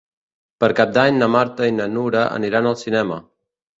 Per Cap d'Any na Marta i na Nura aniran al cinema.